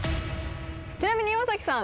ちなみに岩崎さん。